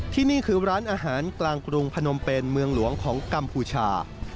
ที่นี่คือร้านอาหารกลางกรุงพนมเป็นเมืองหลวงของกัมพูชา